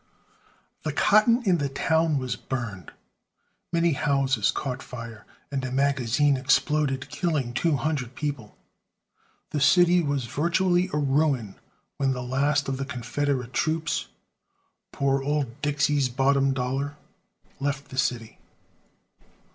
The cotton in the town was burned, many houses caught fire, and a magazine exploded, killing two hundred people. The city was virtually a ruin when the last of the Confederate troops "poor old Dixie's bottom dollar" left the city.